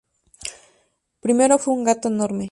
Primero fue un gato enorme.